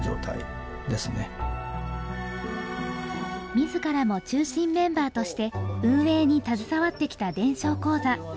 自らも中心メンバーとして運営に携わってきた伝承講座。